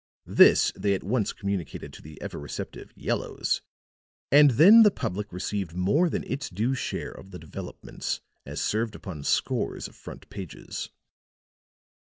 This they at once communicated to the ever receptive "yellows," and then the public received more than its due share of the developments as served upon scores of front pages.